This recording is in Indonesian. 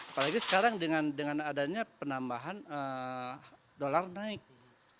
apalagi sekarang dengan adanya penambahan dolar naik